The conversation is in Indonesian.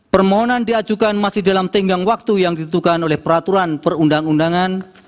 permohonan diajukan masih dalam tenggang waktu yang ditentukan oleh peraturan perundang undangan